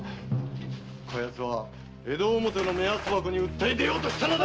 こやつは江戸表の目安箱に訴え出ようとしたのだ！